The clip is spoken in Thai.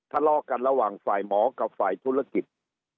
ทะเลาะกันระหว่างฝ่ายหมอกับฝ่ายธุรกิจ